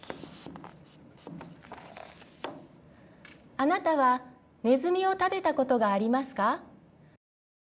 あなたはネズミを食べたことがありますか？